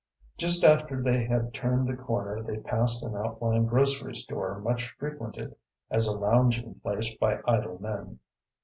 Just after they had turned the corner they passed an outlying grocery store much frequented as a lounging place by idle men.